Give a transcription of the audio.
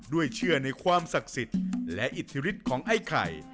เชื่อในความศักดิ์สิทธิ์และอิทธิฤทธิ์ของไอ้ไข่